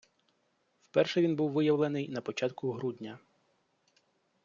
Вперше він був виявлений на початку грудня.